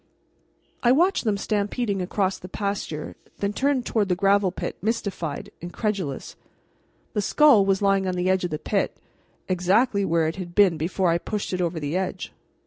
I watched them stampeding across the pasture, then turned toward the gravel pit, mystified, incredulous. The skull was lying on the edge of the pit, exactly where it had been before I pushed it over the edge.